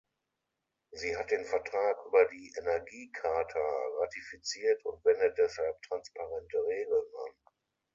Sie hat den Vertrag über die Energiecharta ratifiziert und wendet deshalb transparente Regeln an.